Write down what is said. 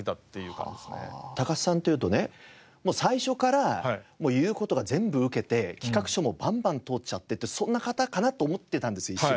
高須さんというとね最初から言う事が全部ウケて企画書もバンバン通っちゃってっていうそんな方かなと思ってたんです一瞬。